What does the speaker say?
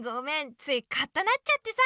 ついカッとなっちゃってさ。